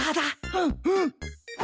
うんうん！